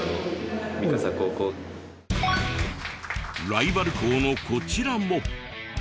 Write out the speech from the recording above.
ライバル校のこちらも。